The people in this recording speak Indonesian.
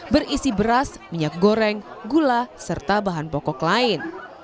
berisi beras minyak goreng gula serta bahan pokok lain